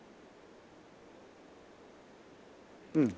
うん。